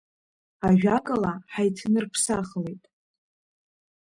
Ажәакала ҳаиҭнырԥсахлеит.